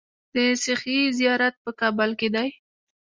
د سخي زیارت په کابل کې دی